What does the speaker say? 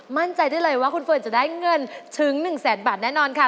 มั่นใจได้เลยว่าคุณเฟิร์นจะได้เงินถึง๑แสนบาทแน่นอนค่ะ